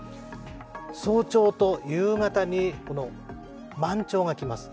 早朝と夕方に満潮が来ます。